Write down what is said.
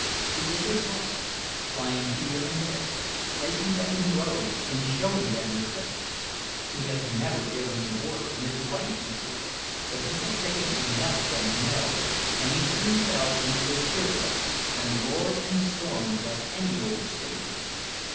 He did his best, flying here and there, placing them in rows and showing them the tricks; he had never given an order in his life before, but he had taken enough of them to know, and he soon fell into the spirit of it, and roared and stormed like any old stager.